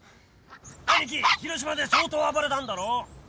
アニキ広島で相当暴れたんだろ？